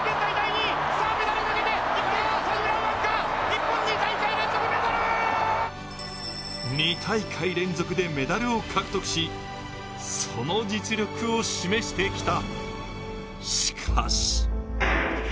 それは世界陸上でも２大会連続でメダルを獲得しその実力を示してきた。